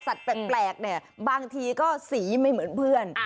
แปลกเนี่ยบางทีก็สีไม่เหมือนเพื่อน